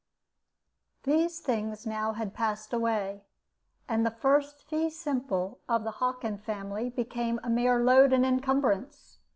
These things now had passed away, and the first fee simple of the Hockin family became a mere load and incumbrance.